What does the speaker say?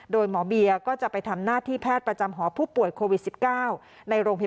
โดยหมอเบียร์ก็จะไปทำหน้าที่แพทย์ประจำหอว์ผู้ป่วยโควิด๑๙